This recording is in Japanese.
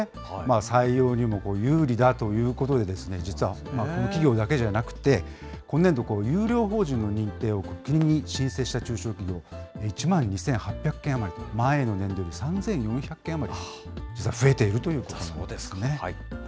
採用にも有利だということで、実はこの企業だけじゃなくて、今年度、優良法人の認定を国に申請した中小企業、１万２８００件余りと、前の年度より３４００件余り、実は増えているということですね。